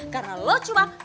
karena lo cuma main petasan